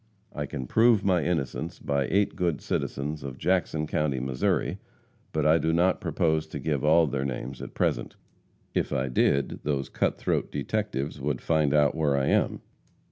I can prove my innocence by eight good citizens of Jackson county, Mo., but I do not propose to give all their names at present. If I did, those cut throat detectives would find out where I am.